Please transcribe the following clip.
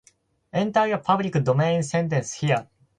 Enter your public domain sentence here